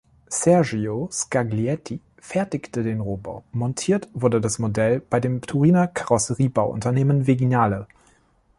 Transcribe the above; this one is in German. Sergio Scaglietti fertigte den Rohbau, montiert wurde das Modell bei dem Turiner Karosseriebauunternehmen Vignale.